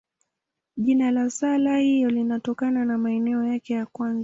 Jina la sala hiyo linatokana na maneno yake ya kwanza.